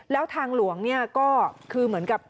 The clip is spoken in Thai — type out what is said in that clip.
แล้วทางหลวงเนี่ยก็คือเหมือนกับ